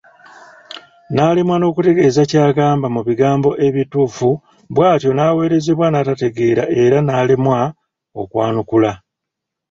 N’alemwa n’okutegeeza ky’agamba mu bigambo ebituufu bw’atyo n’aweerezebwa n’atategeera era n’alemwa okwanukula.